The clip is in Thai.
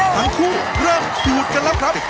ทั้งคู่เริ่มขูดกันแล้วครับ